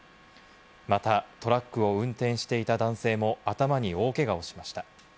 またトラックを運転していた男性も頭に大けがをしました。